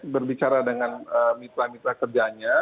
berbicara dengan mitra mitra kerjanya